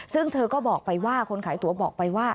ซึ่งเธอก็บอกไปว่าคนขายตัวบอกไปว่า